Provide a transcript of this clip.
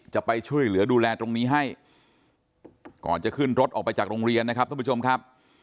จะไปช่วยเหลือดูแลตรงนี้ให้ก่อนจะขึ้นรถออกไปจากโรงเรียนนะครับท่านผู้ชมครับ